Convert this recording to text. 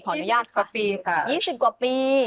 ขออนุญาตค่ะสิบกว่าปีค่ะสิบกว่าปี